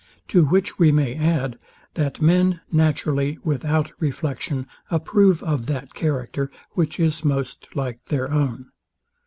To which we may add, that men naturally, without reflection, approve of that character, which is most like their own.